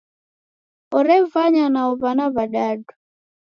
Orevanya nao w'ana w'adadu.